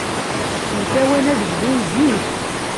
Mtawan ad bdun zik.